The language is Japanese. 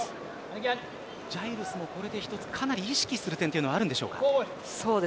ジャイルスもこれで一つかなり意識する点はあるでしょうか。